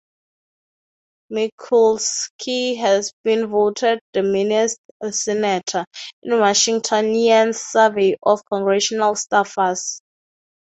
Mikulski has been voted the "meanest senator" in Washingtonian's survey of congressional staffers.